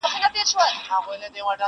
ما د ابا ساتلی کور غوښتی٫